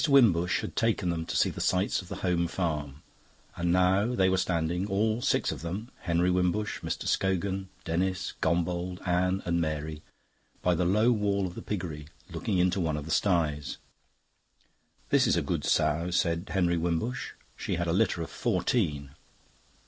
Wimbush had taken them to see the sights of the Home Farm, and now they were standing, all six of them Henry Wimbush, Mr. Scogan, Denis, Gombauld, Anne, and Mary by the low wall of the piggery, looking into one of the styes. "This is a good sow," said Henry Wimbush. "She had a litter of fourteen.